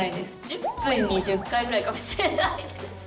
１０分に１０回ぐらいかもしれないです。